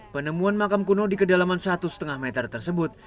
penemuan makam kuno di kedalaman satu lima meter tersebut